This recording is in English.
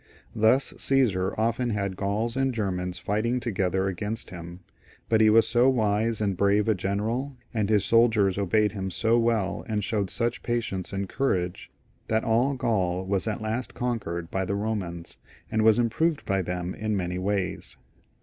Thus Caesar had often Gauls and Germans fighting together against him, but he was so wise and brave a general, and his soldiers obeyed him so well and showed such patience and courage, that all Gaul was at last conquered by the Eomans, and was improved by them in many ways.